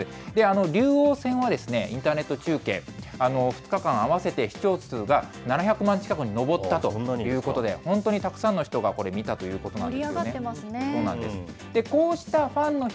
竜王戦はインターネット中継、２日間合わせて視聴数が７００万近くに上ったということで、本当にたくさんの人が、これ、見たということなんですね。